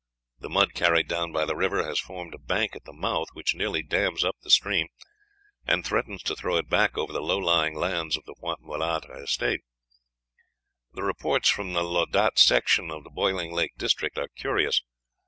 The mud carried down by the river has formed a bank at the month which nearly dams up the stream, and threatens to throw it back over the low lying lands of the Pointe Mulâtre estate. The reports from the Laudat section of the Boiling Lake district are curious.